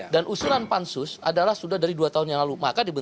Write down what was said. dan usulan pansus adalah sudah dari dua tahun yang lalu